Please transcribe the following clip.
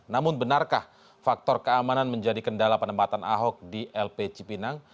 namun benarkah faktor keamanan menjadi kendala penempatan ahok di lp cipinang